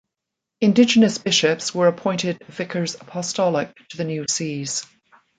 Indigenous bishops were appointed Vicars Apostolic to the new Sees.